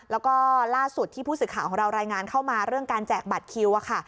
แล้วก็ล่าสุดที่ผู้สื่อข่าวของเรารายงานเข้ามาเรื่องการแจกบัตรคิว